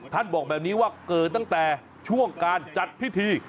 บอกแบบนี้ว่าเกิดตั้งแต่ช่วงการจัดพิธี